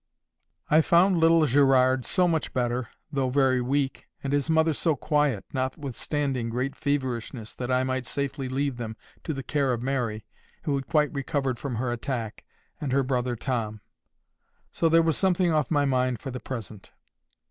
I found little Gerard so much better, though very weak, and his mother so quiet, notwithstanding great feverishness, that I might safely leave them to the care of Mary, who had quite recovered from her attack, and her brother Tom. So there was something off my mind for the present.